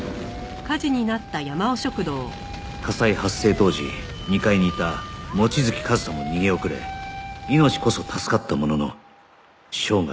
火災発生当時２階にいた望月和沙も逃げ遅れ命こそ助かったものの生涯